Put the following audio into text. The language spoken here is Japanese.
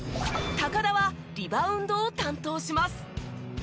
田はリバウンドを担当します。